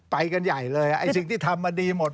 ไปกันใหญ่เลยไอ้สิ่งที่ทำมาดีหมด